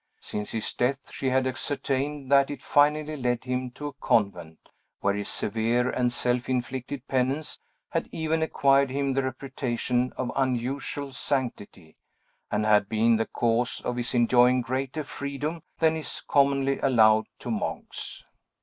Since his death she had ascertained that it finally led him to a convent, where his severe and self inflicted penance had even acquired him the reputation of unusual sanctity, and had been the cause of his enjoying greater freedom than is commonly allowed to monks.